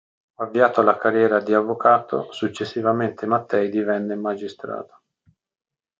Avviato alla carriera di avvocato, successivamente Mattei divenne magistrato.